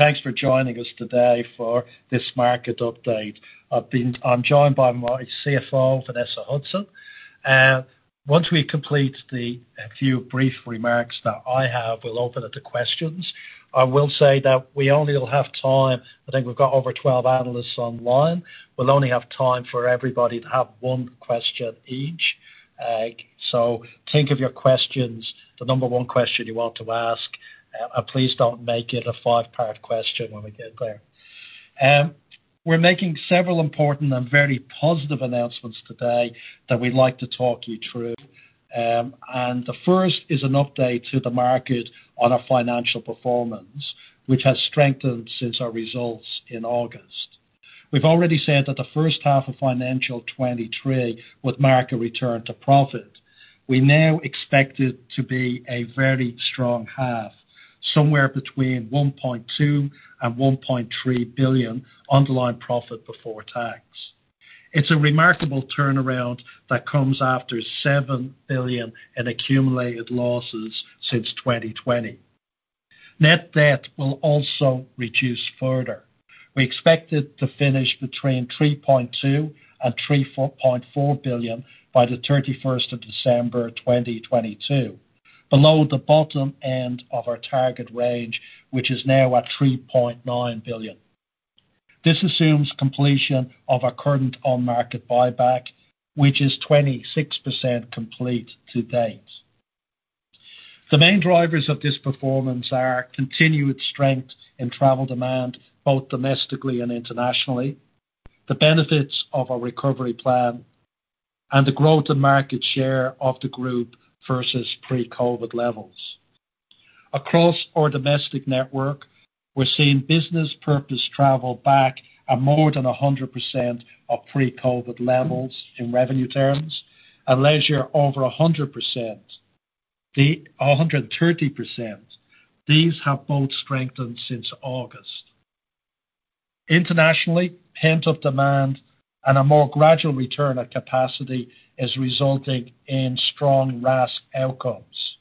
Thanks for joining us today for this market update. I'm joined by my CFO, Vanessa Hudson. Once we complete the few brief remarks that I have, we'll open it to questions. I will say that we only will have time, I think we've got over 12 analysts online. We'll only have time for everybody to have one question each. Think of your questions, the number one question you want to ask, please don't make it a five-part question when we get there. We're making several important and very positive announcements today that we'd like to talk you through. The first is an update to the market on our financial performance, which has strengthened since our results in August. We've already said that the first half of financial 2023 would mark a return to profit. We now expect it to be a very strong half, somewhere between 1.2 billion and 1.3 billion underlying profit before tax. It's a remarkable turnaround that comes after 7 billion in accumulated losses since 2020. Net debt will also reduce further. We expect it to finish between 3.2 billion and 3.4 billion by the 31st of December 2022, below the bottom end of our target range, which is now at 3.9 billion. This assumes completion of our current on-market buyback, which is 26% complete to date. The main drivers of this performance are continued strength in travel demand, both domestically and internationally, the benefits of our recovery plan, and the growth in market share of the group versus pre-COVID levels. Across our domestic network, we're seeing business purpose travel back at more than 100% of pre-COVID levels in revenue terms. Leisure over 100%. 130%. These have both strengthened since August. Internationally, pent-up demand and a more gradual return of capacity is resulting in strong RASK outcomes.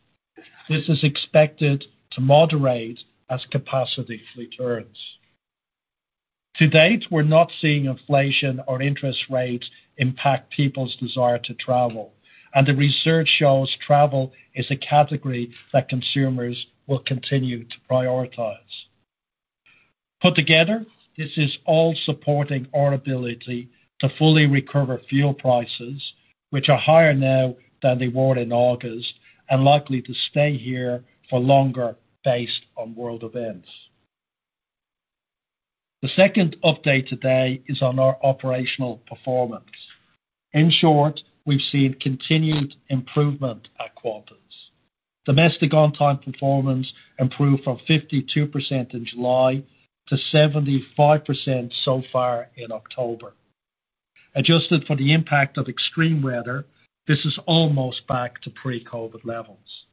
This is expected to moderate as capacity returns. To date, we're not seeing inflation or interest rates impact people's desire to travel, and the research shows travel is a category that consumers will continue to prioritize. Put together, this is all supporting our ability to fully recover fuel prices, which are higher now than they were in August and likely to stay here for longer based on world events. The second update today is on our operational performance. In short, we've seen continued improvement at Qantas. Domestic on time performance improved from 52% in July to 75% so far in October. Adjusted for the impact of extreme weather, this is almost back to pre-COVID levels.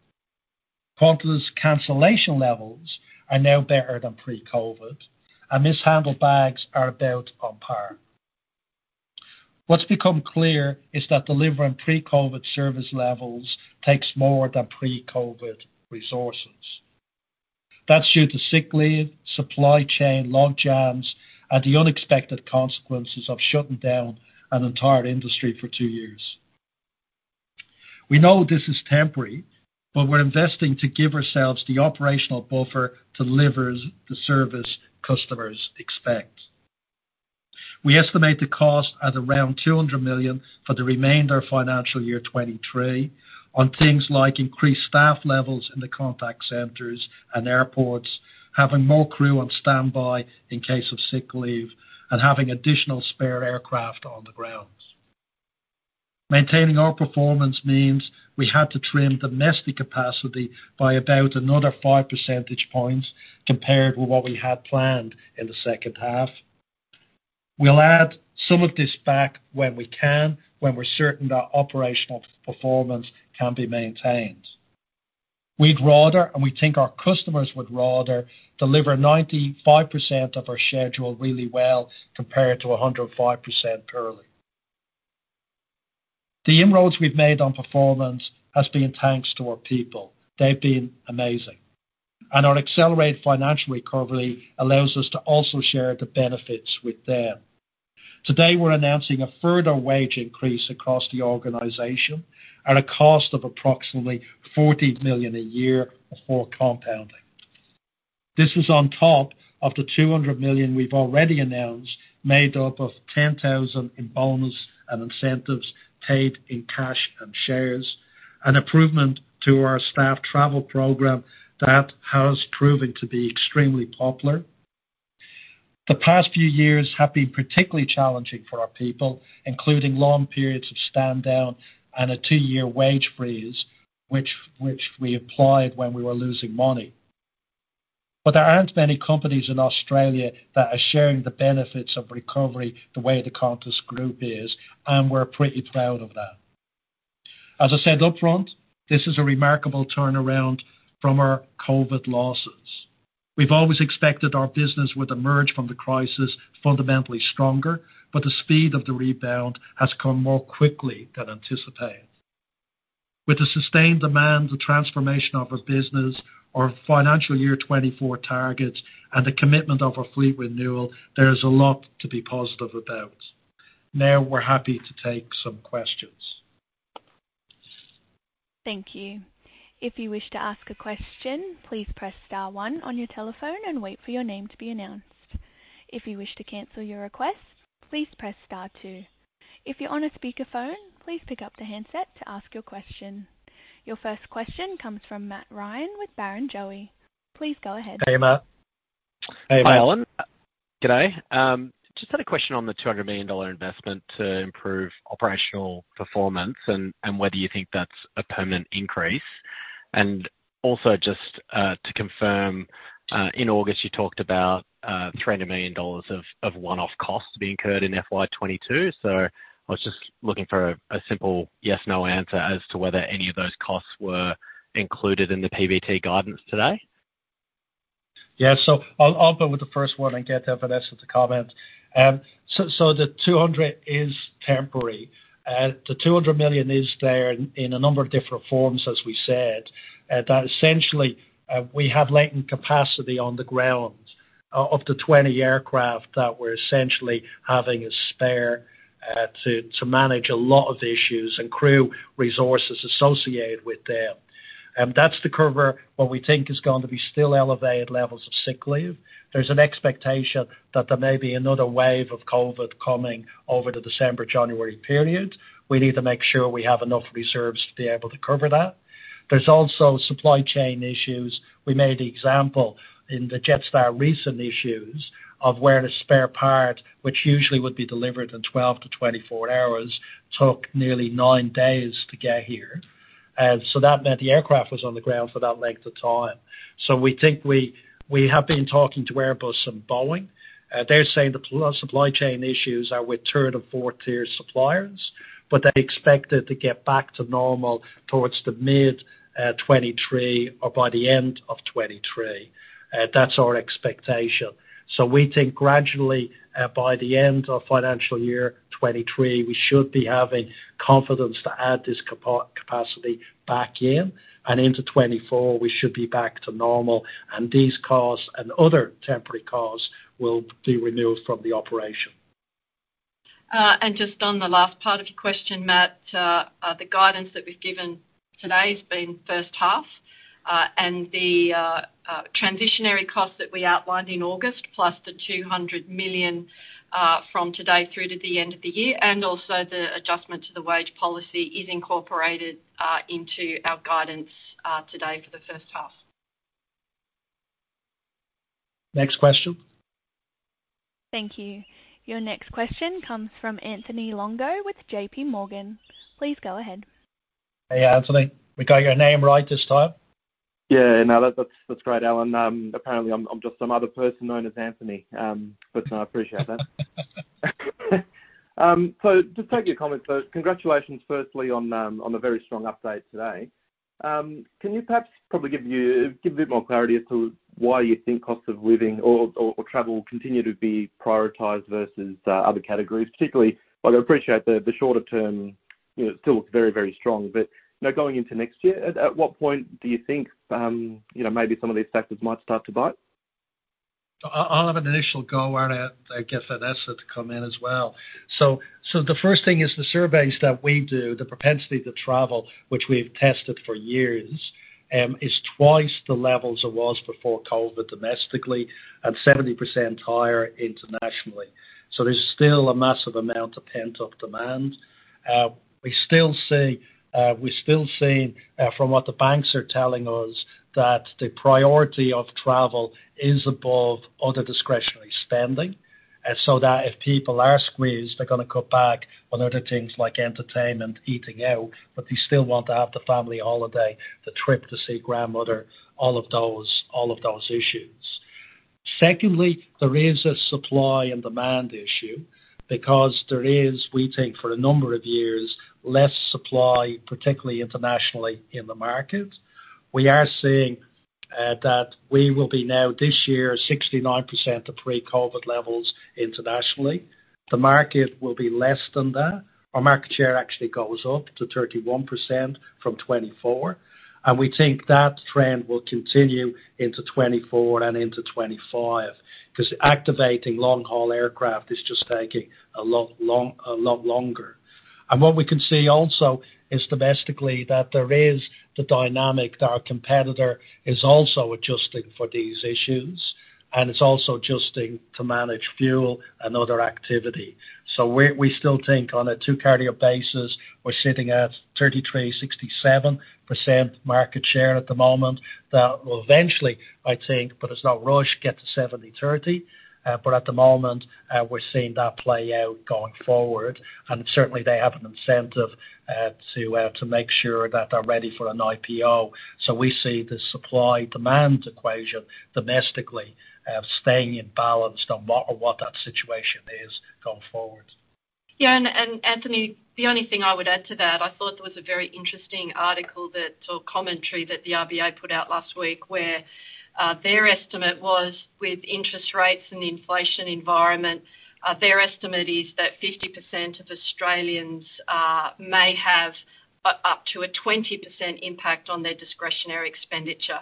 Qantas' cancellation levels are now better than pre-COVID, and mishandled bags are about on par. What's become clear is that delivering pre-COVID service levels takes more than pre-COVID resources. That's due to sick leave, supply chain log jams, and the unexpected consequences of shutting down an entire industry for two years. We know this is temporary, but we're investing to give ourselves the operational buffer to deliver the service customers expect. We estimate the cost at around 200 million for the remainder of financial year 2023 on things like increased staff levels in the contact centers and airports, having more crew on standby in case of sick leave, and having additional spare aircraft on the grounds. Maintaining our performance means we had to trim domestic capacity by about another 5 percentage points compared with what we had planned in the second half. We'll add some of this back when we can, when we're certain that operational performance can be maintained. We'd rather, and we think our customers would rather, deliver 95% of our schedule really well compared to 105% poorly. The inroads we've made on performance has been thanks to our people. They've been amazing, and our accelerated financial recovery allows us to also share the benefits with them. Today, we're announcing a further wage increase across the organization at a cost of approximately 40 million a year before compounding. This is on top of the 200 million we've already announced, made up of 10,000 in bonus and incentives paid in cash and shares, an improvement to our staff travel program that has proven to be extremely popular. The past few years have been particularly challenging for our people, including long periods of stand down and a two-year wage freeze, which we applied when we were losing money. There aren't many companies in Australia that are sharing the benefits of recovery the way the Qantas Group is, and we're pretty proud of that. As I said upfront, this is a remarkable turnaround from our COVID losses. We've always expected our business would emerge from the crisis fundamentally stronger, but the speed of the rebound has come more quickly than anticipated. With the sustained demand, the transformation of our business, our financial year 2024 targets, and the commitment of our fleet renewal, there is a lot to be positive about. We're happy to take some questions. Thank you. If you wish to ask a question, please press star one on your telephone and wait for your name to be announced. If you wish to cancel your request, please press star two. If you're on a speakerphone, please pick up the handset to ask your question. Your first question comes from Matt Ryan with Barrenjoey. Please go ahead. Hey, Matt. Hi, Alan. G'day. Just had a question on the 200 million dollar investment to improve operational performance and whether you think that's a permanent increase. Also just to confirm, in August, you talked about 300 million dollars of one-off costs being incurred in FY 2022. I was just looking for a simple yes, no answer as to whether any of those costs were included in the PBT guidance today? Yeah. I'll go with the first one and get Vanessa to comment. The 200 million is temporary. The 200 million is there in a number of different forms, as we said. That essentially, we have latent capacity on the ground, of the 20 aircraft that we're essentially having as spare, to manage a lot of the issues and crew resources associated with them. That's to cover what we think is going to be still elevated levels of sick leave. There's an expectation that there may be another wave of COVID coming over the December, January period. We need to make sure we have enough reserves to be able to cover that. There's also supply chain issues. We made the example in the Jetstar recent issues of where the spare part, which usually would be delivered in 12-24 hours, took nearly nine days to get here. That meant the aircraft was on the ground for that length of time. We think we have been talking to Airbus and Boeing. They're saying the supply chain issues are with third of four tier suppliers, but they expect it to get back to normal towards the mid 2023 or by the end of 2023. That's our expectation. We think gradually, by the end of financial year 2023, we should be having confidence to add this capacity back in, and into 2024, we should be back to normal. These costs and other temporary costs will be renewed from the operation. Just on the last part of your question, Matt, the guidance that we've given today has been first half, and the transitionary cost that we outlined in August, plus the 200 million from today through to the end of the year, and also the adjustment to the wage policy is incorporated into our guidance today for the first half. Next question. Thank you. Your next question comes from Anthony Longo with JPMorgan. Please go ahead. Hey, Anthony. We got your name right this time? Yeah. No, that's great, Alan. Apparently I'm just some other person known as Anthony. No, I appreciate that. Just take your comments first. Congratulations, firstly, on a very strong update today. Can you perhaps probably give a bit more clarity as to why you think cost of living or travel continue to be prioritized versus other categories, particularly while I appreciate the shorter term, you know, still looks very strong. Now going into next year, at what point do you think, you know, maybe some of these factors might start to bite? I'll have an initial go, and I get Vanessa to come in as well. The first thing is the surveys that we do, the propensity to travel, which we've tested for years, is twice the levels it was before COVID domestically and 70% higher internationally. There's still a massive amount of pent-up demand. We still see from what the banks are telling us that the priority of travel is above other discretionary spending. That if people are squeezed, they're gonna cut back on other things like entertainment, eating out, but they still want to have the family holiday, the trip to see grandmother, all of those, all of those issues. Secondly, there is a supply and demand issue because there is, we think for a number of years, less supply, particularly internationally in the market. We are seeing that we will be now this year 69% of pre-COVID levels internationally. The market will be less than that. Our market share actually goes up to 31% from 24%, we think that trend will continue into 2024 and into 2025 cause activating long-haul aircraft is just taking a lot longer. What we can see also is domestically that there is the dynamic that our competitor is also adjusting for these issues, and it's also adjusting to manage fuel and other activity. We still think on a two carrier basis, we're sitting at 33%, 67% market share at the moment. That will eventually, I think, but it's no rush, get to 70/30. At the moment, we're seeing that play out going forward, and certainly they have an incentive, to make sure that they're ready for an IPO. We see the supply-demand equation domestically, staying in balance on what that situation is going forward. Yeah, and Anthony, the only thing I would add to that, I thought there was a very interesting article that or commentary that the RBA put out last week where, their estimate was with interest rates and the inflation environment, their estimate is that 50% of Australians may have up to a 20% impact on their discretionary expenditure.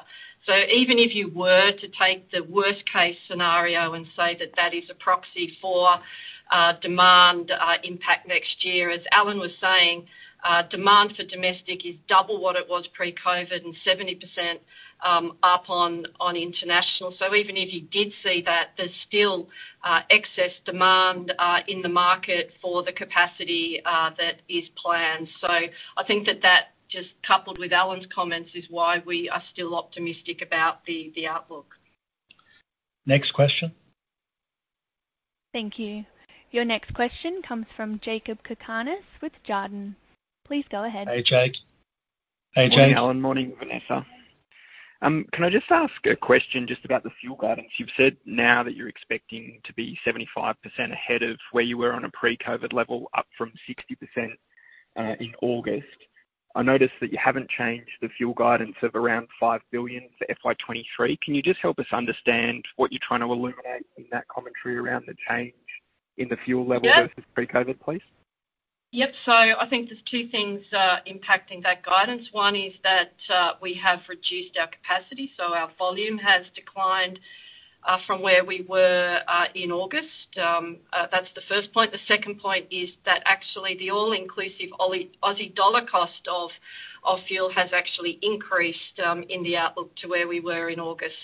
Even if you were to take the worst case scenario and say that that is a proxy for demand impact next year, as Alan was saying, demand for domestic is double what it was pre-COVID and 70% up on international. Even if you did see that, there's still excess demand in the market for the capacity that is planned. I think that that just coupled with Alan's comments, is why we are still optimistic about the outlook. Next question. Thank you. Your next question comes from Jakob Cakarnis with Jarden. Please go ahead. Hey, Jake. Morning, Alan. Morning, Vanessa. Can I just ask a question just about the fuel guidance? You've said now that you're expecting to be 75% ahead of where you were on a pre-COVID level, up from 60% in August. I noticed that you haven't changed the fuel guidance of around 5 billion for FY 2023. Can you just help us understand what you're trying to illuminate in that commentary around the change in the fuel level? Yeah. Versus pre-COVID, please? Yep. I think there's two things impacting that guidance. One is that we have reduced our capacity, so our volume has declined from where we were in August. That's the first point. The second point is that actually the all-inclusive Aussie dollar cost of fuel has actually increased in the outlook to where we were in August.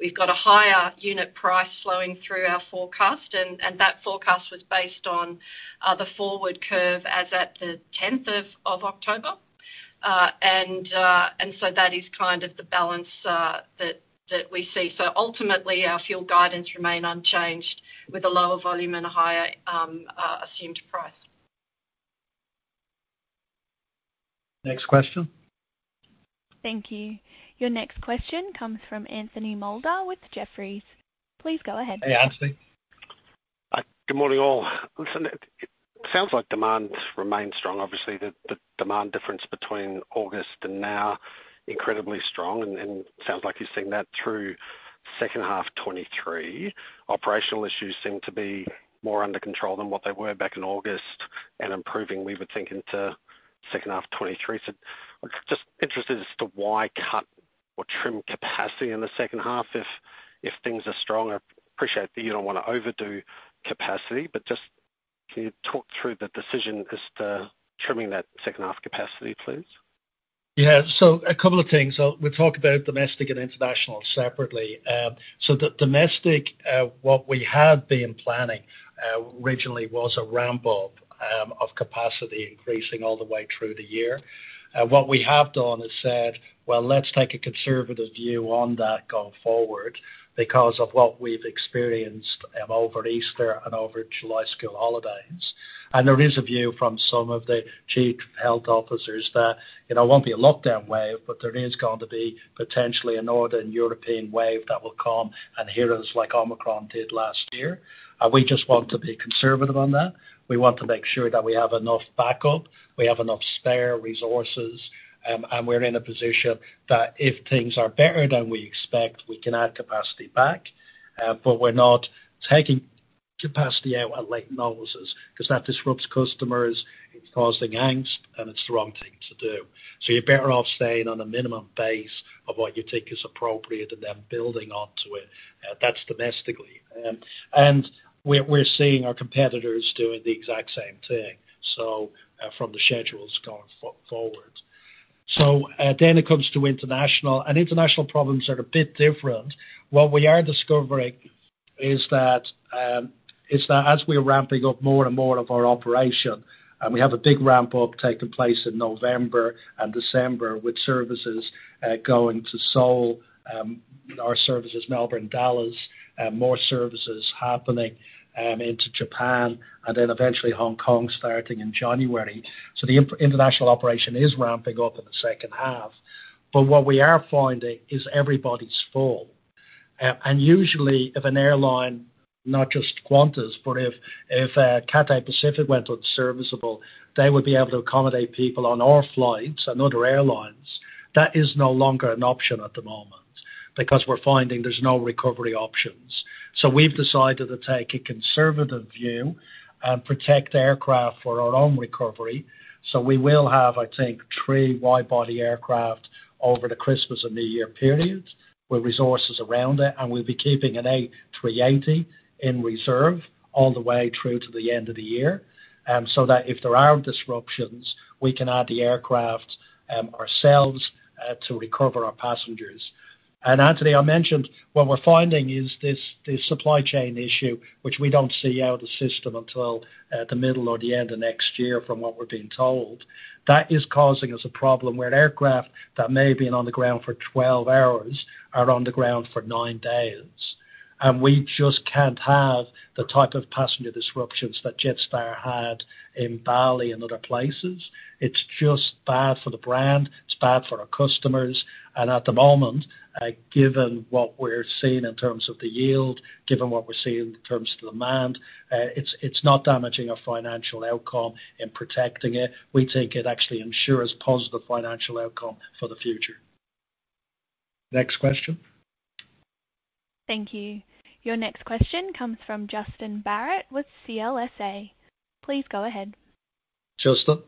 We've got a higher unit price flowing through our forecast, and that forecast was based on the forward curve as at the 10th of October. That is kind of the balance that we see. Ultimately our fuel guidance remain unchanged with a lower volume and a higher assumed price. Next question. Thank you. Your next question comes from Anthony Moulder with Jefferies. Please go ahead. Hey, Anthony. Good morning, all. Listen, it sounds like demand remains strong. Obviously, the demand difference between August and now incredibly strong and sounds like you're seeing that through second half 2023. Operational issues seem to be more under control than what they were back in August and improving we would think into second half 2023. Just interested as to why cut or trim capacity in the second half if things are strong. I appreciate that you don't want to overdo capacity, just can you talk through the decision as to trimming that second half capacity, please? Yeah. A couple of things. We'll talk about domestic and international separately. The domestic, what we had been planning, originally was a ramp up of capacity increasing all the way through the year. What we have done is said, well, let's take a conservative view on that going forward because of what we've experienced over Easter and over July school holidays. There is a view from some of the chief health officers that it won't be a lockdown wave, but there is going to be potentially a northern European wave that will come and hit us like Omicron did last year. We just want to be conservative on that. We want to make sure that we have enough backup, we have enough spare resources, and we're in a position that if things are better than we expect, we can add capacity back. We're not taking capacity out at late notices 'cause that disrupts customers, it's causing angst, and it's the wrong thing to do. You're better off staying on a minimum base of what you think is appropriate and then building onto it. That's domestically. We're seeing our competitors doing the exact same thing, from the schedules going forward. It comes to international, and international problems are a bit different. What we are discovering is that as we're ramping up more and more of our operation, and we have a big ramp up taking place in November and December with services going to Seoul, our services Melbourne, Dallas, more services happening into Japan and then eventually Hong Kong starting in January. The in-international operation is ramping up in the second half. What we are finding is everybody's full. Usually if an airline, not just Qantas, but if Cathay Pacific went unserviceable, they would be able to accommodate people on our flights and other airlines. That is no longer an option at the moment because we're finding there's no recovery options. We've decided to take a conservative view and protect aircraft for our own recovery. We will have, I think, three wide-body aircraft over the Christmas and New Year period with resources around it, and we'll be keeping an A380 in reserve all the way through to the end of the year, so that if there are disruptions, we can add the aircraft ourselves to recover our passengers. And Anthony, I mentioned what we're finding is this supply chain issue, which we don't see out of the system until the middle or the end of next year from what we're being told. That is causing us a problem where an aircraft that may have been on the ground for 12 hours are on the ground for nine days, and we just can't have the type of passenger disruptions that Jetstar had in Bali and other places. It's just bad for the brand, it's bad for our customers. At the moment, given what we're seeing in terms of the yield, given what we're seeing in terms of demand, it's not damaging our financial outcome in protecting it. We think it actually ensures positive financial outcome for the future. Next question. Thank you. Your next question comes from Justin Barratt with CLSA. Please go ahead. Justin.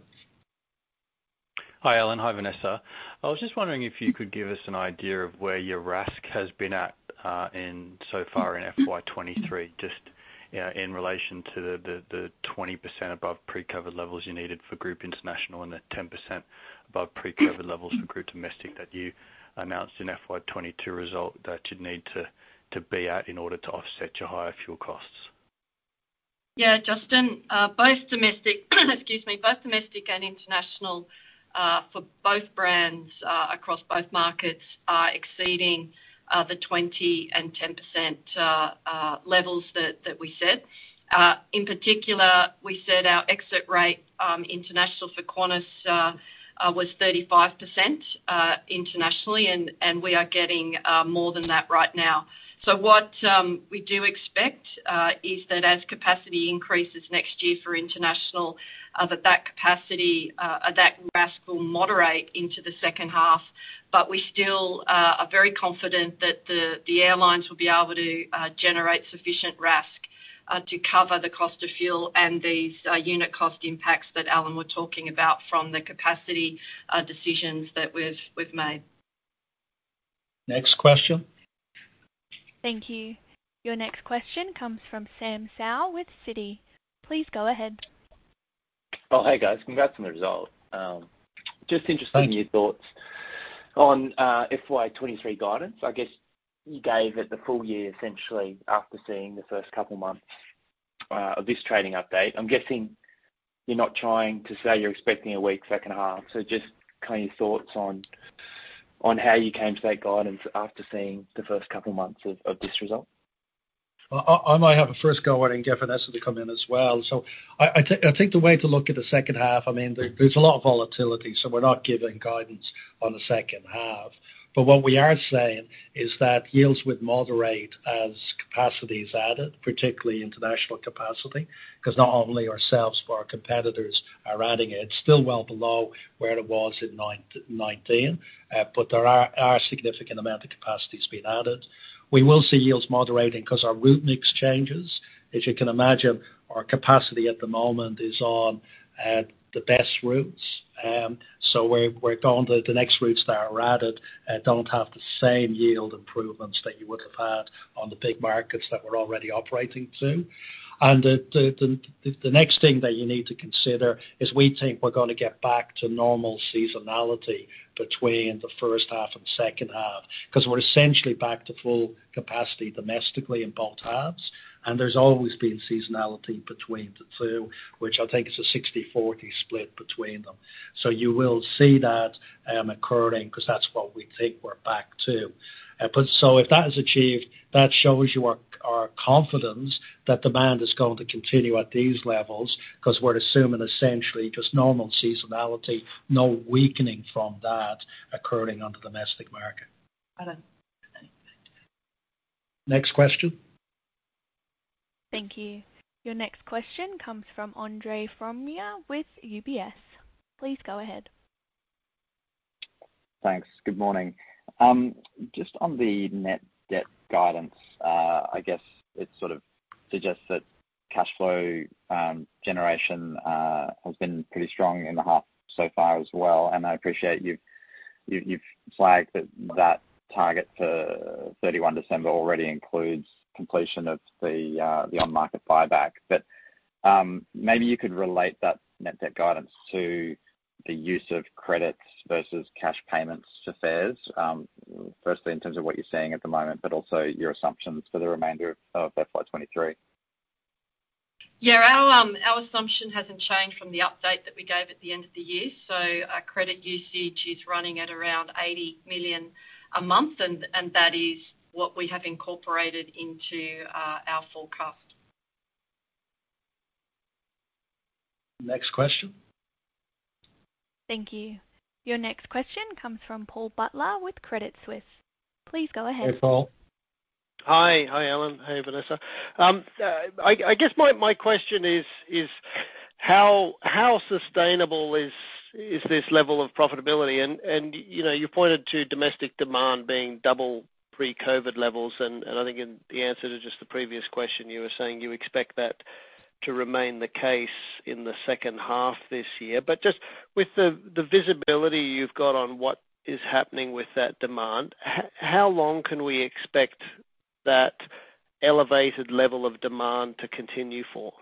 Hi, Alan. Hi, Vanessa. I was just wondering if you could give us an idea of where your RASK has been at, in so far in FY 2023, just, you know, in relation to the 20% above pre-COVID levels you needed for group international and the 10% above pre-COVID levels for group domestic that you announced in FY 2022 result that you'd need to be at in order to offset your higher fuel costs. Yeah. Justin, both domestic and international, for both brands, across both markets are exceeding the 20% and 10% levels that we set. In particular, we set our exit rate, international for Qantas, was 35% internationally, and we are getting more than that right now. What we do expect is that as capacity increases next year for international, that capacity, that RASK will moderate into the second half. We still are very confident that the airlines will be able to generate sufficient RASK to cover the cost of fuel and these unit cost impacts that, Alan, we're talking about from the capacity decisions that we've made. Next question. Thank you. Your next question comes from Sam Seow with Citi. Please go ahead. Oh, hey, guys. Congrats on the result. Thanks. Just interested in your thoughts on FY 2023 guidance? I guess you gave it the full year essentially after seeing the first couple of months of this trading update. I'm guessing you're not trying to say you're expecting a weak second half? Just kind of your thoughts on how you came to that guidance after seeing the first couple of months of this result? I might have a first go and then get Vanessa to come in as well. I take the way to look at the second half, I mean, there's a lot of volatility, so we're not giving guidance on the second half. What we are saying is that yields would moderate as capacity is added, particularly international capacity, 'cause not only ourselves but our competitors are adding it. It's still well below where it was in 2019, but there are a significant amount of capacity that's being added. We will see yields moderating 'cause our route mix changes. As you can imagine, our capacity at the moment is on the best routes. We're going to the next routes that are added don't have the same yield improvements that you would have had on the big markets that we're already operating to. The next thing that you need to consider is we think we're gonna get back to normal seasonality between the first half and second half, 'cause we're essentially back to full capacity domestically in both halves. There's always been seasonality between the two, which I think is a 60/40 split between them. You will see that occurring 'cause that's what we think we're back to. If that is achieved, that shows you our confidence that demand is going to continue at these levels 'cause we're assuming essentially just normal seasonality, no weakening from that occurring on the domestic market. Alan. Next question. Thank you. Your next question comes from Andre Fromyhr with UBS. Please go ahead. Thanks. Good morning. Just on the net debt guidance, I guess it sort of suggests that cash flow generation has been pretty strong in the half so far as well. I appreciate you've flagged that that target for 31 December already includes completion of the on-market buyback. Maybe you could relate that net debt guidance to the use of credits versus cash payments to fares, firstly, in terms of what you're seeing at the moment, but also your assumptions for the remainder of FY 2023. Yeah. Our, our assumption hasn't changed from the update that we gave at the end of the year. Our credit usage is running at around 80 million a month, and that is what we have incorporated into our forecast. Next question. Thank you. Your next question comes from Paul Butler with Credit Suisse. Please go ahead. Hey, Paul. Hi, Alan. Hey, Vanessa. I guess my question is how sustainable is this level of profitability? You know, you pointed to domestic demand being double pre-COVID levels. I think in the answer to just the previous question, you were saying you expect that to remain the case in the second half this year. Just with the visibility you've got on what is happening with that demand, how long can we expect that elevated level of demand to continue for?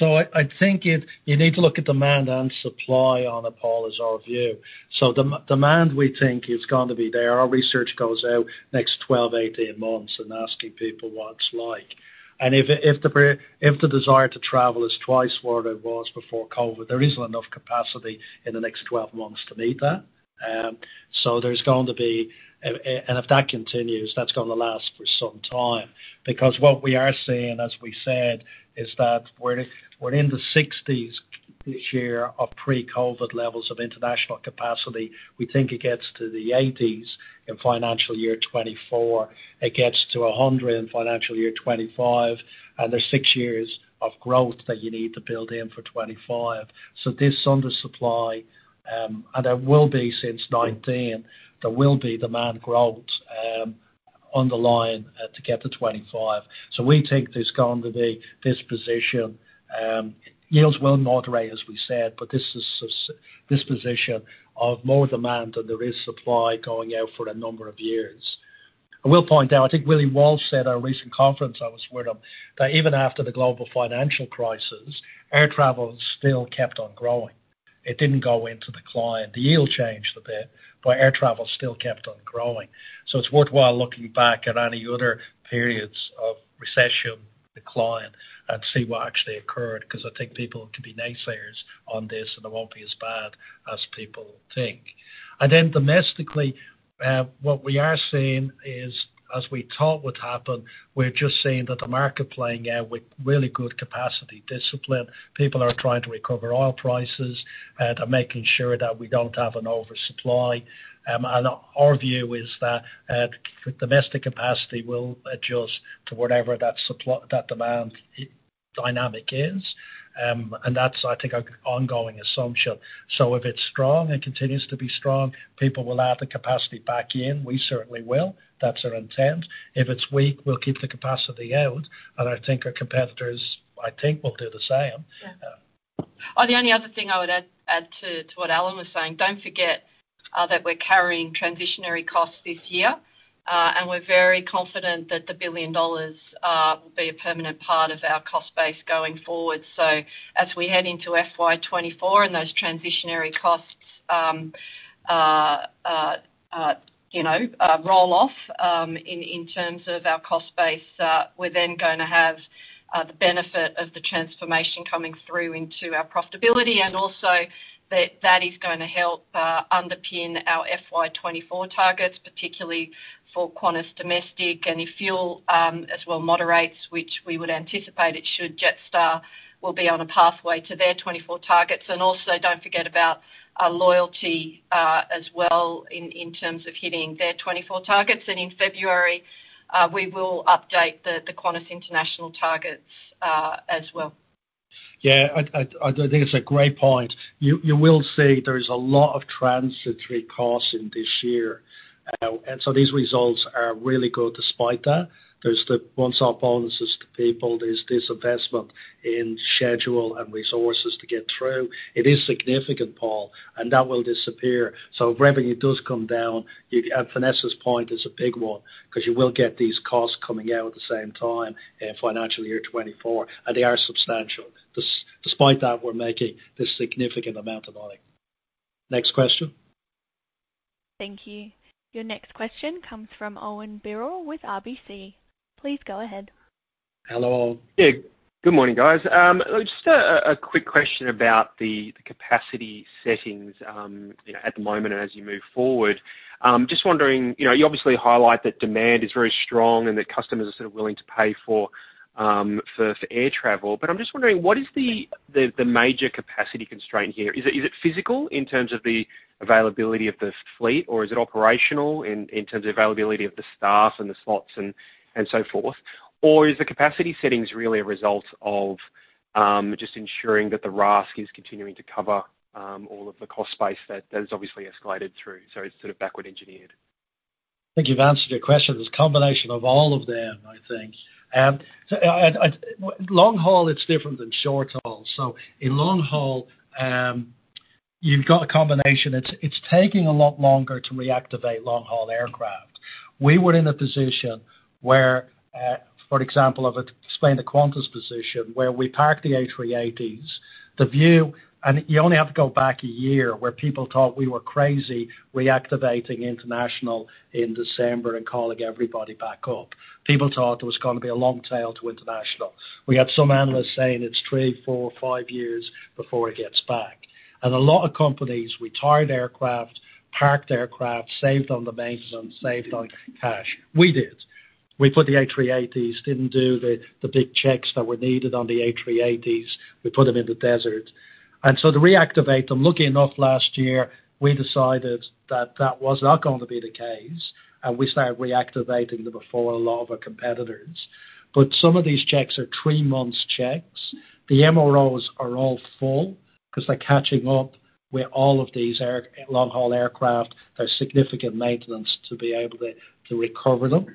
I think you need to look at demand and supply on it, Paul, is our view. Demand, we think is going to be there. Our research goes out next 12, 18 months and asking people what it's like. If the desire to travel is twice what it was before COVID, there isn't enough capacity in the next 12 months to meet that. If that continues, that's going to last for some time because what we are seeing, as we said, is that we're in the 60s this year of pre-COVID levels of international capacity. We think it gets to the 80s in financial year 2024. It gets to 100 in financial year 2025, there's six years of growth that you need to build in for 2025. There's under supply, and there will be since 2019, there will be demand growth on the line to get to 2025. We take this going to be this position. Yields will moderate, as we said, but this is this position of more demand than there is supply going out for a number of years. I will point out, I think Willie Walsh said at our recent conference, I was with him, that even after the global financial crisis, air travel still kept on growing. It didn't go into the client. The yield changed a bit, but air travel still kept on growing. It's worthwhile looking back at any other periods of recession, decline, and see what actually occurred, 'cause I think people can be naysayers on this, and it won't be as bad as people think. Domestically, what we are seeing is, as we thought would happen, we're just seeing that the market playing out with really good capacity discipline. People are trying to recover oil prices and are making sure that we don't have an oversupply. Our view is that domestic capacity will adjust to whatever that demand dynamic is. That's, I think, our ongoing assumption. If it's strong and continues to be strong, people will add the capacity back in. We certainly will. That's our intent. If it's weak, we'll keep the capacity out. I think our competitors, I think, will do the same. The only other thing I would add to what Alan was saying, don't forget that we're carrying transitionary costs this year, and we're very confident that the 1 billion dollars will be a permanent part of our cost base going forward. As we head into FY 2024 and those transitionary costs, you know, roll off in terms of our cost base, we're then gonna have the benefit of the transformation coming through into our profitability and also that that is gonna help underpin our FY 2024 targets, particularly for Qantas domestic. If fuel as well moderates, which we would anticipate it should, Jetstar will be on a pathway to their 2024 targets. Also don't forget about our loyalty as well in terms of hitting their 2024 targets. In February, we will update the Qantas international targets as well. Yeah, I'd, I think it's a great point. You will see there is a lot of transitory costs in this year. These results are really good despite that. There's the once-off bonuses to people. There's this investment in schedule and resources to get through. It is significant, Paul. That will disappear. If revenue does come down, Vanessa's point is a big one 'cause you will get these costs coming out at the same time in financial year 2024, and they are substantial. Despite that, we're making this significant amount of money. Next question. Thank you. Your next question comes from Owen Birrell with RBC. Please go ahead. Hello. Yeah, good morning, guys. Just a quick question about the capacity settings, you know, at the moment and as you move forward. Just wondering, you know, you obviously highlight that demand is very strong and that customers are sort of willing to pay for air travel. I'm just wondering what is the major capacity constraint here? Is it physical in terms of the availability of the fleet, or is it operational in terms of availability of the staff and the slots and so forth? Is the capacity settings really a result of just ensuring that the RASK is continuing to cover all of the cost base that has obviously escalated through? It's sort of backward engineered. I think you've answered your question. It's a combination of all of them, I think. Long-haul, it's different than short-haul. In long-haul, you've got a combination. It's taking a lot longer to reactivate long-haul aircraft. We were in a position where, for example, explain the Qantas position, where we parked the A380s, the view, and you only have to go back a year where people thought we were crazy reactivating international in December and calling everybody back up. People thought there was gonna be a long tail to international. We had some analysts saying it's three, four, five years before it gets back. A lot of companies retired aircraft, parked aircraft, saved on the maintenance, saved on cash. We did. We put the A380s, didn't do the big checks that were needed on the A380s. We put them in the desert. To reactivate them, lucky enough last year, we decided that that was not going to be the case, and we started reactivating them before a lot of our competitors. Some of these checks are three months checks. The MROs are all full 'cause they're catching up where all of these long-haul aircraft have significant maintenance to be able to recover them.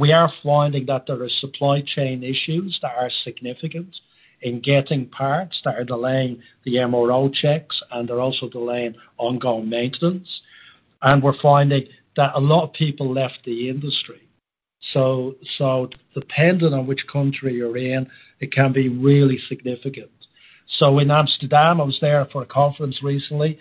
We are finding that there are supply chain issues that are significant in getting parts that are delaying the MRO checks, and they're also delaying ongoing maintenance. We're finding that a lot of people left the industry. Depending on which country you're in, it can be really significant. In Amsterdam, I was there for a conference recently,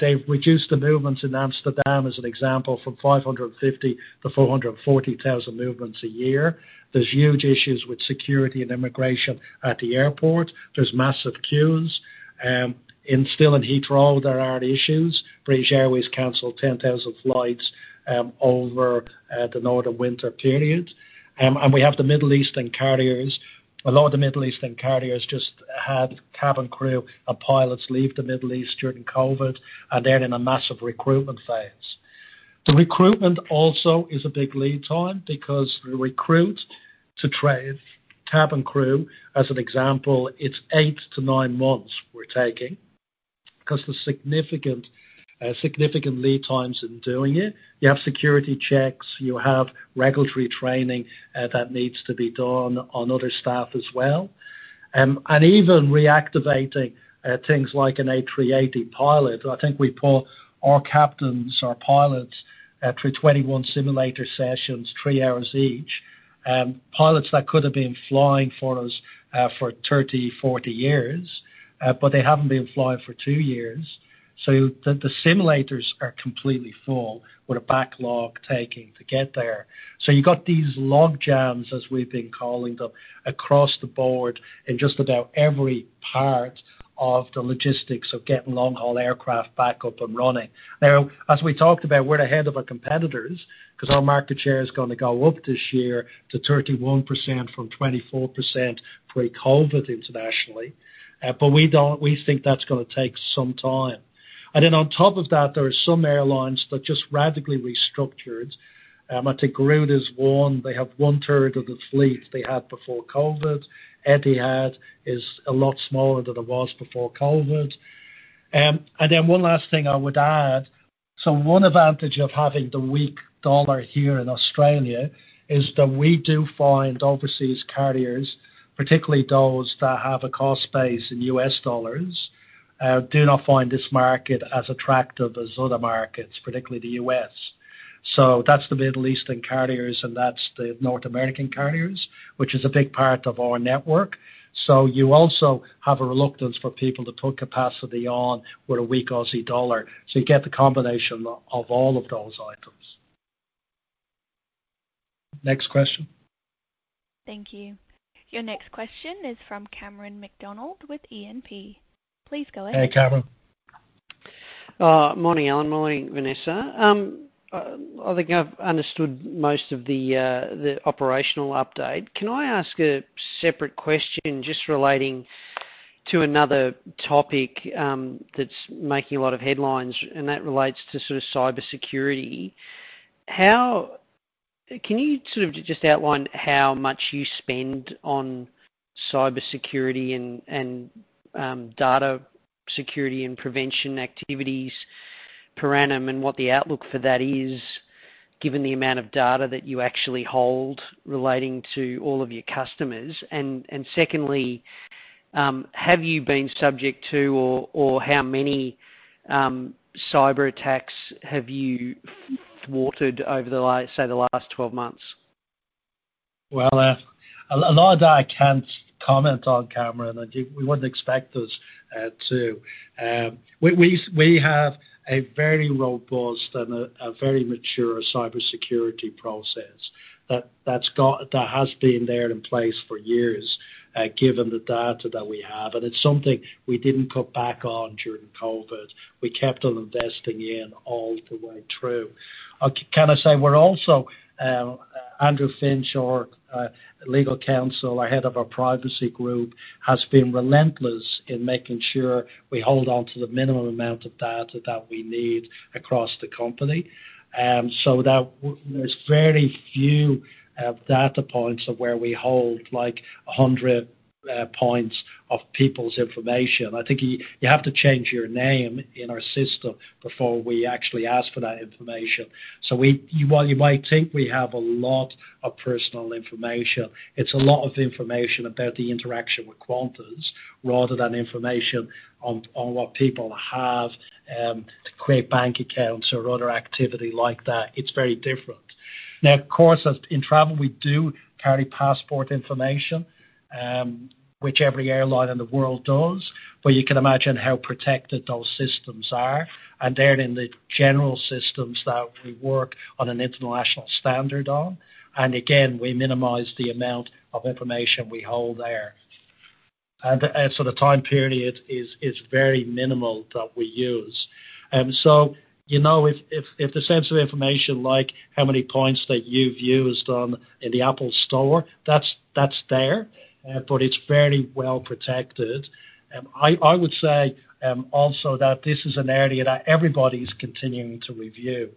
they've reduced the movements in Amsterdam as an example, from 550,000 to 440,000 movements a year. There's huge issues with security and immigration at the airport. There's massive queues. Still in Heathrow, there are issues. British Airways canceled 10,000 flights over the northern winter period. We have the Middle Eastern carriers. A lot of the Middle Eastern carriers just had cabin crew and pilots leave the Middle East during COVID, and they're in a massive recruitment phase. The recruitment also is a big lead time because to recruit, to train cabin crew, as an example, it's eight to nine months we're taking 'cause the significant lead times in doing it. You have security checks, you have regulatory training that needs to be done on other staff as well. Even reactivating things like an A380 pilot. I think we put our captains, our pilots through 21 simulator sessions, three hours each. Pilots that could have been flying for us for 30, 40 years, but they haven't been flying for two years. The simulators are completely full with a backlog taking to get there. You got these log jams, as we've been calling them, across the board in just about every part of the logistics of getting long-haul aircraft back up and running. Now, as we talked about, we're ahead of our competitors 'cause our market share is gonna go up this year to 31% from 24% pre-COVID internationally. We think that's gonna take some time. Then on top of that, there are some airlines that just radically restructured. I think Garuda is one. They have 1/3 of the fleet they had before COVID. Etihad is a lot smaller than it was before COVID. One last thing I would add, one advantage of having the weak dollar here in Australia is that we do find overseas carriers, particularly those that have a cost base in U.S. dollars, do not find this market as attractive as other markets, particularly the U.S. That's the Middle Eastern carriers, and that's the North American carriers, which is a big part of our network. You also have a reluctance for people to put capacity on with a weak Aussie dollar. You get the combination of all of those items. Next question. Thank you. Your next question is from Cameron McDonald with E&P. Please go ahead. Hey, Cameron. Morning, Alan. Morning, Vanessa. I think I've understood most of the operational update. Can I ask a separate question just relating to another topic that's making a lot of headlines, and that relates to sort of cybersecurity. Can you sort of just outline how much you spend on cybersecurity and data security and prevention activities per annum, and what the outlook for that is given the amount of data that you actually hold relating to all of your customers? Secondly, have you been subject to or how many cyberattacks have you thwarted over the last, say, the last 12 months? Well, a lot of that I can't comment on, Cameron. You wouldn't expect us to. We have a very robust and a very mature cybersecurity process that has been there in place for years, given the data that we have, and it's something we didn't cut back on during COVID. We kept on investing in all the way through. Can I say we're also, Andrew Finch, our Legal Counsel, our Head of our Privacy group, has been relentless in making sure we hold on to the minimum amount of data that we need across the company, so that there's very few data points of where we hold like 100 points of people's information. I think you have to change your name in our system before we actually ask for that information. So we, while you might think we have a lot of personal information, it's a lot of information about the interaction with Qantas rather than information on what people have to create bank accounts or other activity like that. It's very different. Now, of course, as in travel, we do carry passport information, which every airline in the world does, but you can imagine how protected those systems are. They're in the general systems that we work on an international standard on. Again, we minimize the amount of information we hold there. So the time period is very minimal that we use. You know, if, if the sense of information like how many points that you've used on in the Apple Store, that's there, but it's very well-protected. I would say also that this is an area that everybody's continuing to review.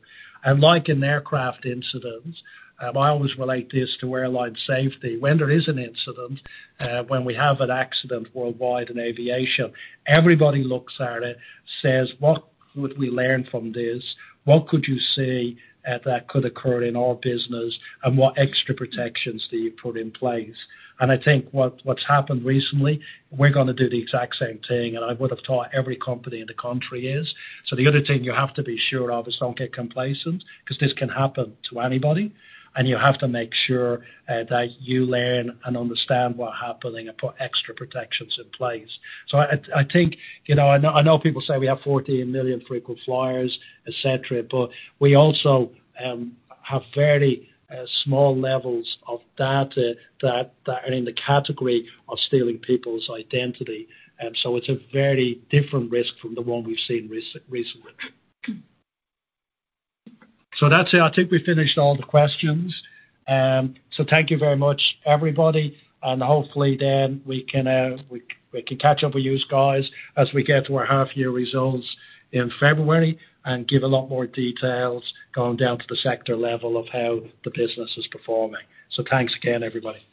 Like in aircraft incidents, I always relate this to airline safety. When there is an incident, when we have an accident worldwide in aviation, everybody looks at it, says, "What could we learn from this? What could you see that could occur in our business, and what extra protections do you put in place?" I think what's happened recently, we're gonna do the exact same thing, and I would have thought every company in the country is. The other thing you have to be sure of is don't get complacent 'cause this can happen to anybody, and you have to make sure that you learn and understand what happening and put extra protections in place. I think, you know. I know people say we have 14 million frequent flyers, et cetera, but we also have very small levels of data that are in the category of stealing people's identity. It's a very different risk from the one we've seen recently. That's it. I think we finished all the questions. Thank you very much, everybody, and hopefully then we can catch up with you guys as we get to our half-year results in February and give a lot more details going down to the sector level of how the business is performing. Thanks again, everybody.